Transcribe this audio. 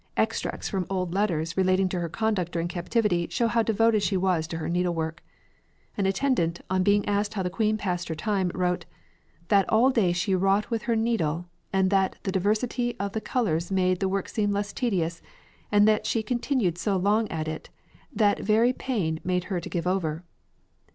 Extracts from old letters relating to her conduct during captivity show how devoted she was to her needlework. An attendant, on being asked how the queen passed her time, wrote, "that all day she wrought with her nydil and that the diversity of the colours made the work seem less tedious and that she contynued so long at it that veray payn made hir to give over."